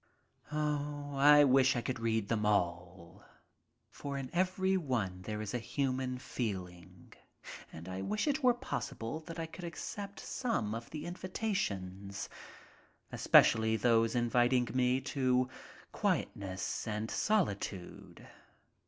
I wish I could read them all, for in every one there is human feeling, and I wish it were possible that I could accept some of the invitations, especially those inviting me to quietness and solitude.